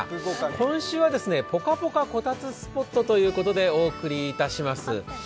今週はぽかぽかこたつスポットということでお送りいたします。